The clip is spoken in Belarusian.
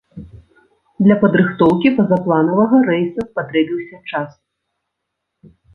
Для падрыхтоўкі пазапланавага рэйса спатрэбіўся час.